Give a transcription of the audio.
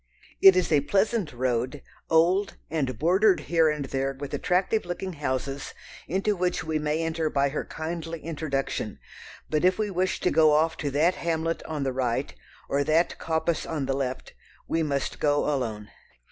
It is a pleasant road, old, and bordered here and there with attractive looking houses into which we may enter by her kindly introduction, but if we wish to go off to that hamlet on the right, or that coppice on the left, we must go alone.